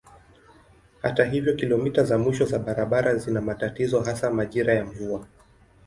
Hata hivyo kilomita za mwisho za barabara zina matatizo hasa majira ya mvua.